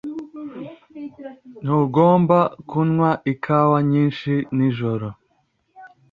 Ntugomba kunywa ikawa nyinshi nijoro.